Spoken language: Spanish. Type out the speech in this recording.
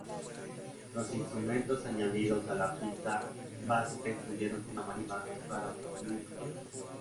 Los instrumentos añadidos a la pista básica incluyeron una marimba, tocada por Milt Holland.